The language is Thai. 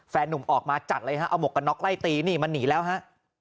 นุ่มออกมาจัดเลยฮะเอาหมวกกันน็อกไล่ตีนี่มันหนีแล้วฮะ